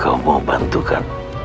kau mau bantukan